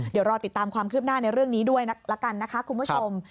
เดี๋ยวรอติดตามความคืบหน้าในเรื่องนี้ด้วยละกันนะคะคุณผู้ชม